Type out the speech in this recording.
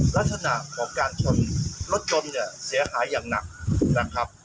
ลักษณะการชนรถจนเสียหายอย่างหนัก